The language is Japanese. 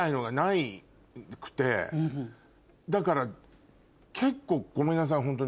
だから結構ごめんなさいホントに。